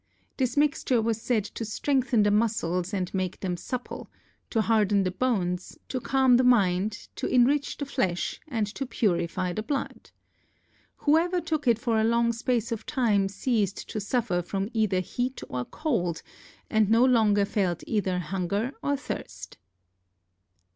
This mixture was said to strengthen the muscles and make them supple, to harden the bones, to calm the mind, to enrich the flesh, and to purify the blood. Whoever took it for a long space of time ceased to suffer from either heat or cold and no longer felt either hunger or thirst.